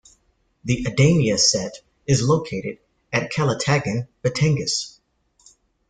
The Adamya set is located at Calatagan, Batangas.